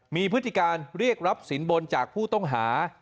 มีพฤติการเรียกรับสินบนจากผู้ต้องหา